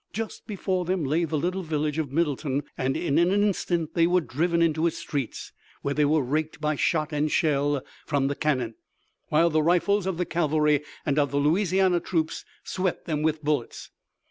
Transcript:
Just before them lay the little village of Middletown, and in an instant they were driven into its streets, where they were raked by shot and shell from the cannon, while the rifles of the cavalry and of the Louisiana troops swept them with bullets.